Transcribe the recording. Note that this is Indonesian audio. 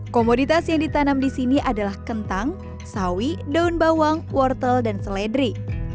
komoditas yang ditanam di sini adalah kentang sawi daun bawang wortel dan seledri